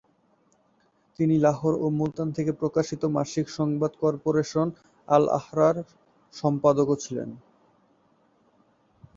তিনি লাহোর ও মুলতান থেকে প্রকাশিত মাসিক সংবাদ কর্পোরেশন, "আল-আহরার" সম্পাদকও ছিলেন।